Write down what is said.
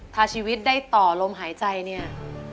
ถ้าชีวิตได้ต่อลมหายใจเนี่ย